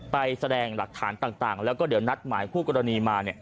ไปแสดงหลักฐานต่างแล้วก็เดี๋ยวนัดหมายคู่กรณีมา